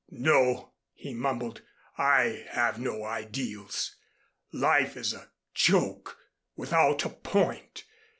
"No," he mumbled, "I have no ideals. Life is a joke without a point.